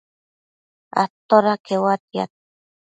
atoda queuatiad?